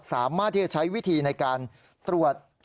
สามารถที่จะใช้วิธีในการตรวจ